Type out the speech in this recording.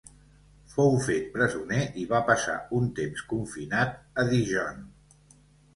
Fou fet presoner i va passar un temps confinat a Dijon.